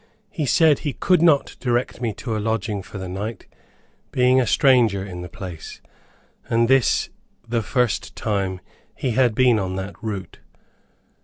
He said he could not direct me to a lodging for the night, being a stranger in the place, and this the first time he had been on that route.